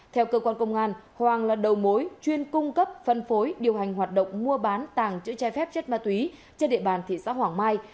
theo cơ quan công an hoàng là đầu mối chuyên cung cấp phân phối điều hành hoạt động mua bán tàng chữ trái phép chất ma túy trên địa bàn thị xã hoàng mai